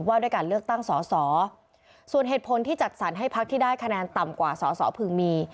ว่าด้วยการเลือกตั้งสอสอส่วนเหตุผลที่จัดสรรให้พักที่ได้คะแนนต่ำกว่าสอสอพึงมี